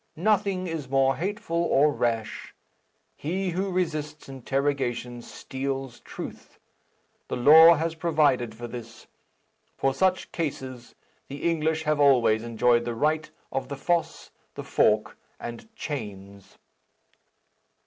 Nothing is more hateful or rash. He who resists interrogation steals truth. The law has provided for this. For such cases, the English have always enjoyed the right of the foss, the fork, and chains."